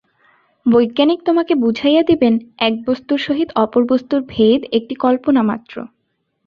বৈজ্ঞানিক তোমাকে বুঝাইয়া দিবেন, এক বস্তুর সহিত অপর বস্তুর ভেদ একটি কল্পনা মাত্র।